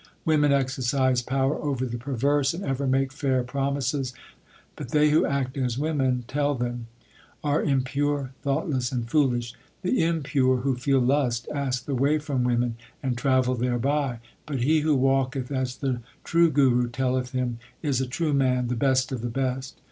Women exercise power over the perverse, and ever make fair promises ; But they who act as women tell them, are impure, thought less, and foolish. The impure who feel lust ask the way from women and travel thereby ; But he who walketh as the true Guru telleth him, is a true man, the best of the best.